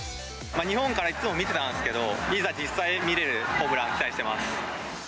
日本からいつも見てたんですけど、いざ実際に見れるホームラン期待してます。